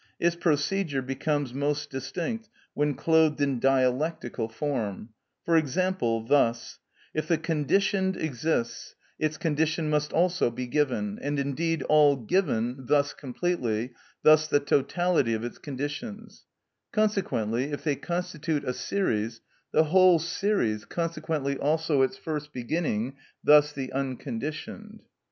Its procedure becomes most distinct when clothed in dialectical form; for example, thus: "If the conditioned exists, its condition must also be given, and indeed all given, thus completely, thus the totality of its conditions; consequently, if they constitute a series, the whole series, consequently also its first beginning, thus the unconditioned."